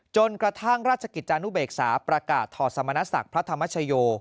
จนกระทั่งราชกิจจานุเบกษาประกาศถอดสมณศักดิ์พระธรรมชโย